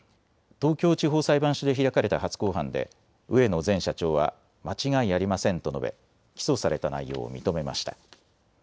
東京地方裁判所で開かれた初公判で植野前社長は間違いありませんと述べ起訴された内容を認めました。